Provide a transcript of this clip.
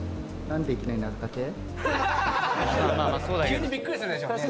急にびっくりするでしょうね。